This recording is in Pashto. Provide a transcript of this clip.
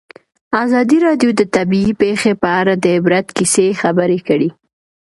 ازادي راډیو د طبیعي پېښې په اړه د عبرت کیسې خبر کړي.